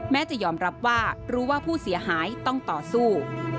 จะยอมรับว่ารู้ว่าผู้เสียหายต้องต่อสู้